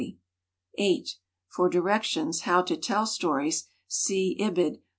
For directions "How to Tell Stories," see Ibid, pp.